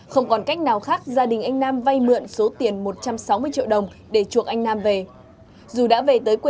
không còn cách nào khác gia đình anh nam vay mượn số tiền một trăm sáu mươi triệu đồng để chuộc anh nam về